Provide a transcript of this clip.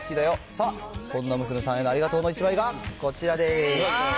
さあ、そんな娘さんへのありがとうの１枚がこちらです。